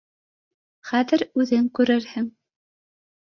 — Хәҙер үҙең күрерһең